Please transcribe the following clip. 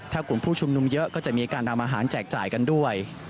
ถ้ากลุ่มผู้ชุมนุมเยอะก็จะมีการทำอาหารแจกจ่ายกันด้วย